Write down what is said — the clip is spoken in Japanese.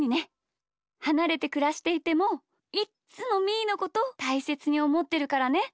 はなれてくらしていてもいっつもみーのことたいせつにおもってるからね！